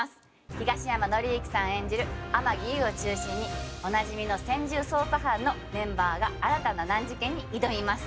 東山紀之さん演じる天樹悠を中心におなじみの専従捜査班のメンバーが新たな難事件に挑みます。